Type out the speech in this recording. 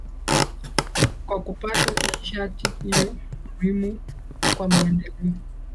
kwa kupata nishati hiyo muhimu kwa maendeleo